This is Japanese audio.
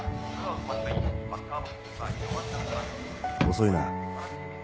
遅いな。